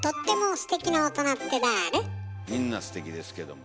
みんなステキですけども。